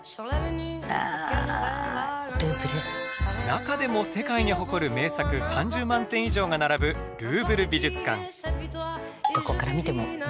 中でも世界に誇る名作３０万点以上が並ぶルーブル美術館。